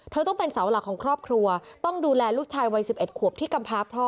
ต้องเป็นเสาหลักของครอบครัวต้องดูแลลูกชายวัย๑๑ขวบที่กำพาพ่อ